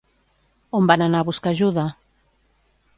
On van anar a buscar ajuda?